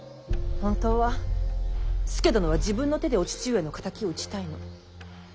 本当は佐殿は自分の手でお父上の敵を討ちたいの。